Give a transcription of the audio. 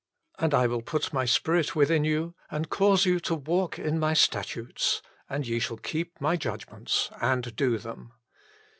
And I will put My Spirit within you, and cause you to walk in My statutes, and ye shall keep My judgments, and do them."